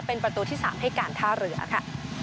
เป็นประตูที่๓ให้การท่าเรือค่ะ